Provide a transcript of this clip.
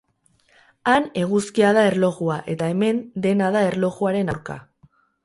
Han eguzkia da erlojua, eta hemen dena da erlojuaren aurka.